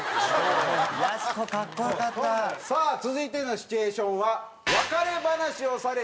さあ続いてのシチュエーションは。